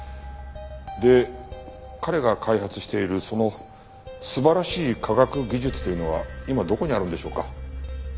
で彼が開発しているその素晴らしい科学技術というのは今どこにあるんでしょうか？